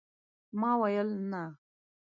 ما ويل ، نه !